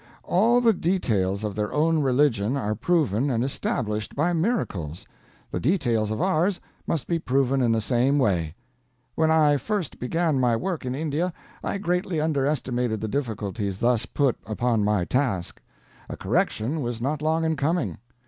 All the details of their own religion are proven and established by miracles; the details of ours must be proven in the same way. When I first began my work in India I greatly underestimated the difficulties thus put upon my task. A correction was not long in coming.